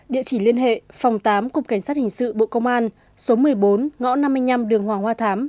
địa chỉ liên hệ phòng tám cục cảnh sát hình sự bộ công an số một mươi bốn ngõ năm mươi năm đường hoàng hoa thám